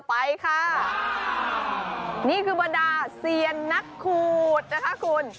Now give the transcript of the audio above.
ไปค่ะนี่คือบรรดาเซียนนักขูดนะคะคุณ